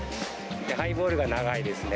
ハイボールが長いですね。